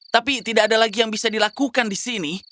tapi tidak ada lagi yang bisa dilakukan di sini